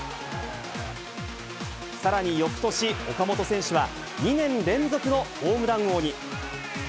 さらによくとし、岡本選手は、２年連続のホームラン王に。